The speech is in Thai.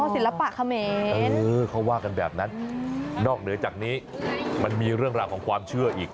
ศิลปะเขมรเขาว่ากันแบบนั้นนอกเหนือจากนี้มันมีเรื่องราวของความเชื่ออีก